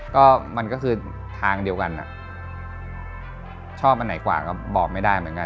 เหมือนกันงานไม้เราก็จะไม่สนุกวันไหนที่ลงมา